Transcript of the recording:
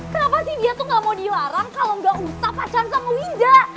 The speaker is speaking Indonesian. kenapa sih dia tuh nggak mau dilarang kalau nggak usah pacaran sama winda